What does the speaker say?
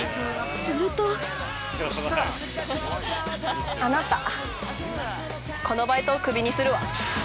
すると◆あなた、このバイトをクビにするわ。